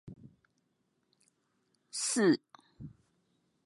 四月是你的謊言，武漢是你的肺炎